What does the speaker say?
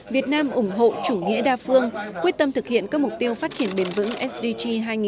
việt nam ủng hộ chủ nghĩa đa phương quyết tâm thực hiện các mục tiêu phát triển bền vững sdg hai nghìn ba mươi